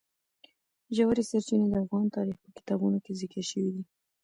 ژورې سرچینې د افغان تاریخ په کتابونو کې ذکر شوی دي.